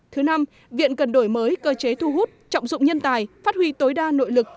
thứ năm viện cần đổi mới cơ chế thu hút trọng dụng nhân tài phát huy tối đa nội lực